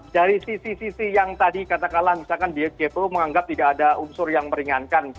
dari sisi sisi yang tadi katakanlah misalkan di jpo menganggap tidak ada unsur yang meringankan